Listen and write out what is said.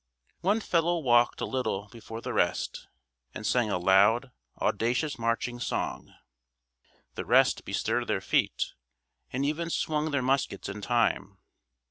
One fellow walked a little before the rest, and sang a loud, audacious marching song. The rest bestirred their feet, and even swung their muskets in time.